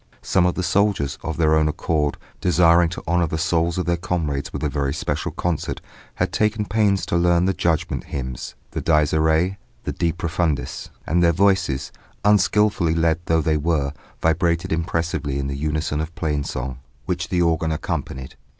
Some of the soldiers, of their own accord, desiring to honour the souls of their comrades with a very special concert, had taken pains to learn the Judgment hymns, the Dies iræ, the De profundis, and their voices, unskilfully led though they were, vibrated impressively in the unison of plain song, which the organ accompanied.